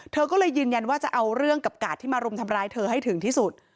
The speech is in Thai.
เธอก็เลยยืนยันว่าจะเอาเรื่องกับกาดที่มารุมทำร้ายเธอให้ถึงที่สุด